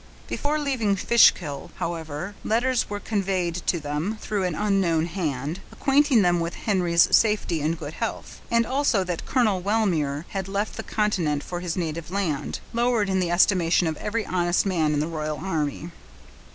Before leaving Fishkill, however, letters were conveyed to them, through an unknown hand, acquainting them with Henry's safety and good health; and also that Colonel Wellmere had left the continent for his native island, lowered in the estimation of every honest man in the royal army.